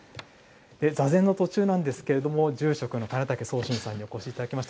座禅の途中なんですけれども、住職の金嶽宗信さんにお越しいただきました。